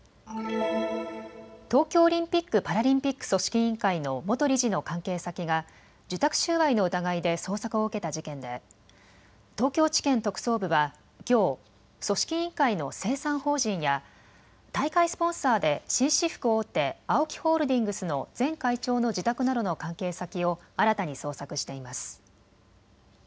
東京オリンピック・パラリンピック組織委員会の元理事の関係先が受託収賄の疑いで捜索を受けた事件で東京地検特捜部はきょう組織委員会の清算法人や大会スポンサーで紳士服大手ＡＯＫＩホールディングスの前会長の自宅などの関係先を新たに捜索しています。